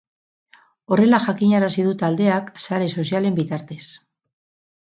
Horrela jakinarazi du taldeak sare sozialen bitartez.